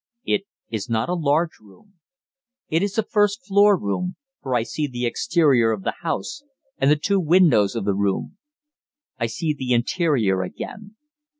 "It is not a large room. It is a first floor room, for I see the exterior of the house and the two windows of the room. I see the interior again.